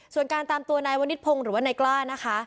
ส่วนการตามตัวนายวนิษพงศ์หรือว่านายกล้านะคะ